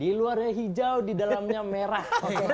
di luarnya hijau di dalamnya merah